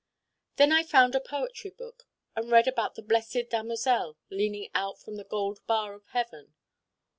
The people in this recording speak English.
Then I found a poetry book and read about the Blessed Damozel leaning out from the gold bar of heaven.